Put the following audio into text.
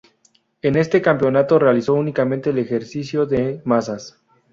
En este campeonato realizó únicamente el ejercicio de mazas.